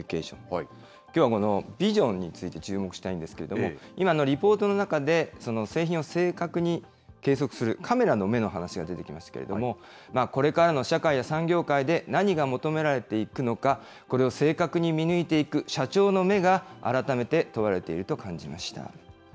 きょうはこのＶＩＳＩＯＮについて注目したいんですけども、今のリポートの中で、製品を正確に計測するカメラの目の話が出てきましたけれども、これからの社会や産業界で何が求められていくのか、これを正確に見抜いていく社長の目が、改めて問われていると感じました。